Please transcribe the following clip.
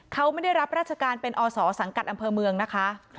เขาไม่ได้รับราชการเป็นอศสังกัดอำเภอเมืองนะคะ